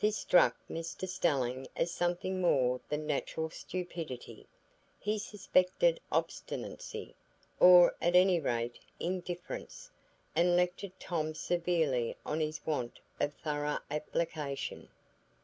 This struck Mr Stelling as something more than natural stupidity; he suspected obstinacy, or at any rate indifference, and lectured Tom severely on his want of thorough application.